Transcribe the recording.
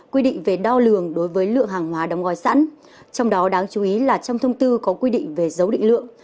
quy định về đo lường đối với lượng hàng hóa đóng gói sẵn trong đó đáng chú ý là trong thông tư có quy định về dấu định lượng